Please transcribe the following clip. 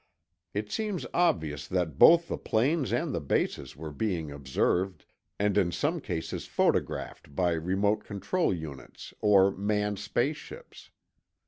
It seems obvious that both the planes and the bases were being observed, and in some cases photographed by remote control units or manned space ships.